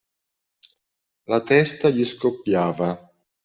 La testa gli scoppiava.